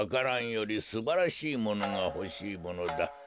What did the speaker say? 蘭よりすばらしいものがほしいものだ。